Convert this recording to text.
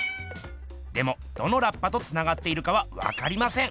でもどのラッパとつながっているかはわかりません。